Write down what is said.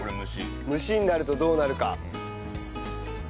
蒸しになるとどうなるか？